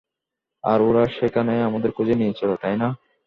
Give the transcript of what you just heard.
আর ওরা সেখানে আমাদের খুঁজে নিয়েছিল, তাই না?